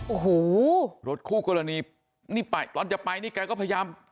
โอ้โหรถคู่กรณีนี่ไปตอนจะไปนี่แกก็พยายาม